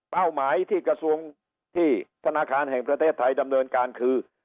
หมายที่กระทรวงที่ธนาคารแห่งประเทศไทยดำเนินการคือ